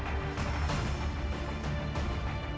harus sabar menjabat